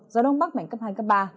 gió đông bắc mạnh cấp hai cấp ba